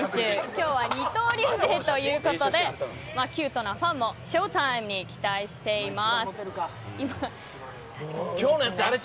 今日は二刀流デーということでキュートなファンもショータイムに期待しています。